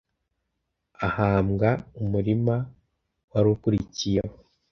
ahambwa umurima warukurikiyeho